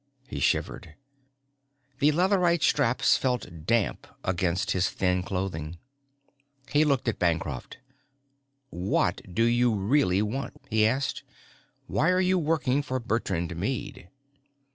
He shivered. The leatherite straps felt damp against his thin clothing. He looked at Bancroft. "What do you really want?" he asked. "Why are you working for Bertrand Meade?"